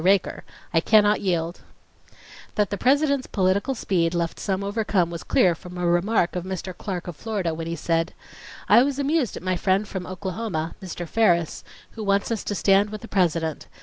RAKER: I cannot yield .... That the President's political speed left some overcome was clear from a remark of Mr. Clark of Florida when he said: "I was amused at my friend from Oklahoma, Mr. Ferris, who wants us to stand with the President.